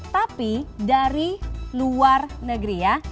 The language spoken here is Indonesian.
tapi dari luar negeri ya